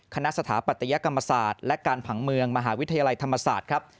สถาปัตยกรรมศาสตร์และการผังเมืองมหาวิทยาลัยธรรมศาสตร์ครับ